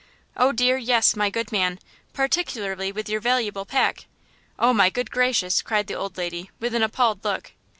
"Oh, dear, yes, my good man, particularly with your valuable pack–oh, my good gracious!" cried the old lady, with an appalled look.